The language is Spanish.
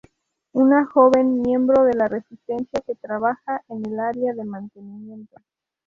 Una joven miembro de la Resistencia que trabaja en el área de mantenimiento.